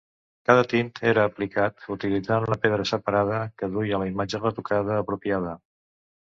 Cada tint era aplicat utilitzant una pedra separada que duia la imatge retocada apropiada.